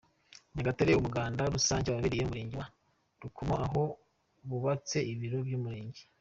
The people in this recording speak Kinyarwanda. Nyagatare umuganda rusange wabereye mu murenge wa Rukomo aho bubatse ibiro by’umurenge.